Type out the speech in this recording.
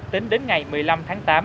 tính đến ngày một mươi năm tháng tám